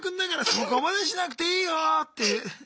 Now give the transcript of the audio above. そこまでしなくていいよって。